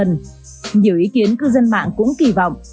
nhiều ý kiến cư dân mạng cũng kỳ vọng